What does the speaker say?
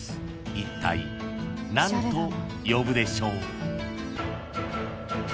［いったい何と呼ぶでしょう？］